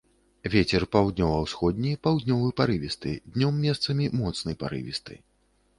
Вецер паўднёва-ўсходні, паўднёвы парывісты, днём месцамі моцны парывісты.